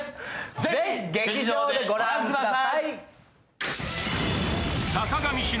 ぜひ劇場で御覧ください。